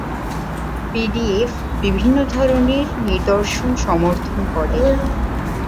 PDF বিভিন্ন ধরণের নিদর্শন সমর্থন করে।